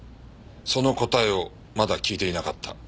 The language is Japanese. その答えをまだ聞いていなかった。